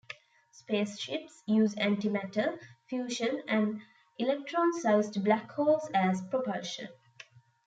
Spaceships use antimatter, fusion and electron-sized black holes as propulsion.